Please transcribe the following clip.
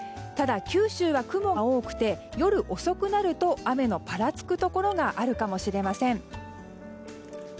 ただ、九州は雲が多くて夜遅くなると雨のぱらつくところがあるかもしれません。